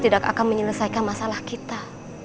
tidak akan menyelesaikan masalah kita